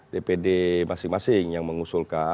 dpd masing masing yang mengusulkan